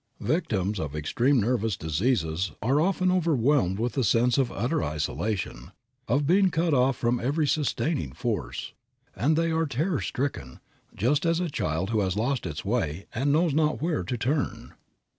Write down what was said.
Victims of extreme nervous diseases are often overwhelmed with a sense of utter isolation, of being cut off from every sustaining force, and they are terror stricken, just as a child who has lost its way, and knows not where to turn.